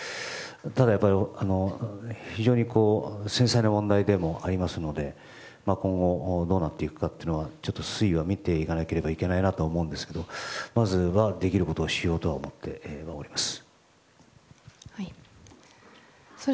ただ、非常に繊細な問題でもありますので今後、どうなっていくか推移は見ていかなければいけないなとは思っていますがまずはできることをしようと思っております。